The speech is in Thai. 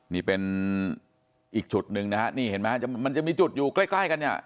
นี่เป็นอีกจุดนึงนะนี่เห็นมั้ยมันจะมีจุดอยู่ใกล้กันเนี่ย